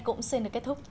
cũng xin được kết thúc